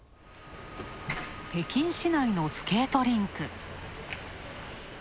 北京市内のスケートリンク。